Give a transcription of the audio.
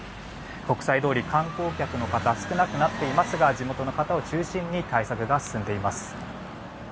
国際通り、観光客の方は少なくなっていますが地元の方を中心に対策が進んでいます。